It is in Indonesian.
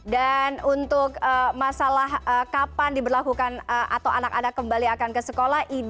dan untuk masalah kapan diberlakukan atau anak anak kembali akan ke sekolah